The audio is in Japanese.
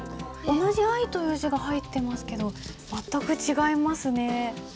同じ「愛」という字が入ってますけど全く違いますね。